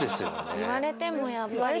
言われてもやっぱり。